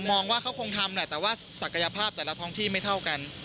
มองว่าเขาคงทำแหละแต่ว่าศักยภาพแต่ละท้องที่ไม่เท่ากัน